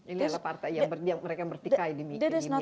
ini adalah partai yang mereka bertikai di mikir nyanmar ya